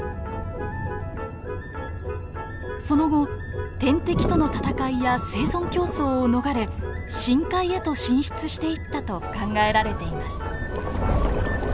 その後天敵との戦いや生存競争を逃れ深海へと進出していったと考えられています。